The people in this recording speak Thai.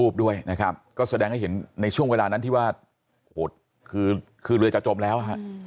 อีกหนึ่งรูปนี่ด้วยนะครับก็แสดงให้เห็นในช่วงเวลานั้นที่ว่าอดคือเลยจะจมแล้ว